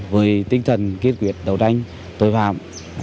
với tinh thần kết quyết đấu tranh tối phạm